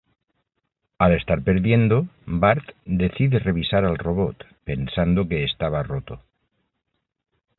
Al estar perdiendo, Bart decide revisar al robot, pensando que estaba roto.